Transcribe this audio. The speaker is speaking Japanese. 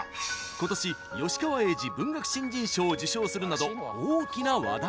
ことし、吉川英治文学新人賞を受賞するなど大きな話題に。